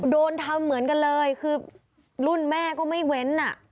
โดนทำเหมือนกันเลยคือรุ่นแม่ก็ไม่เว้นอ่ะ